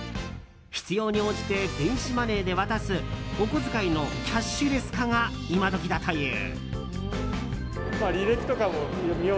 必要に応じて電子マネーで渡すお小遣いのキャッシュレス化がイマドキだという。